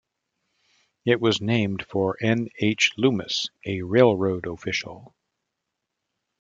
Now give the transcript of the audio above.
It was named for N. H. Loomis, a railroad official.